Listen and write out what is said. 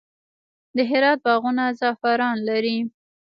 د هرات باغونه زعفران لري.